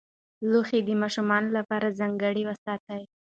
لوښي د ماشوم لپاره ځانګړي وساتئ.